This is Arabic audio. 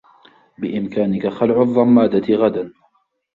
بإمكانك خلع الضّمادة غدا.